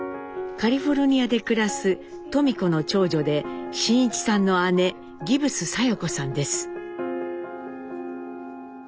カリフォリニアで暮らす登美子の長女で真一さんの姉ギブス佐代子さんです。